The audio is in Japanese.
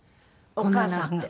お母さんが？